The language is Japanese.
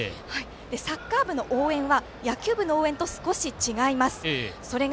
サッカー部の応援は野球部の応援と少し違います。